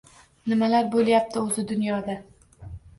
Nimalar bo’lyapti o’zi dunyoda?